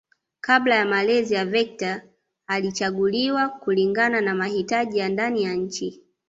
Kabla ya malezi ya vector alichaguliwa kulingana na mahitaji ya ndani ya nchi